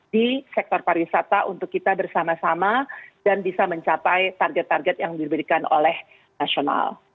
di sektor pariwisata untuk kita bersama sama dan bisa mencapai target target yang diberikan oleh nasional